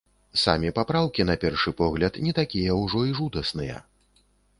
Самі папраўкі, на першы погляд, не такія ўжо і жудасныя.